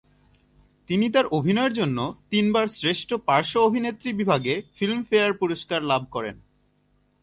তিনি তার অভিনয়ের জন্য তিনবার শ্রেষ্ঠ পার্শ্ব অভিনেত্রী বিভাগে ফিল্মফেয়ার পুরস্কার লাভ করেন।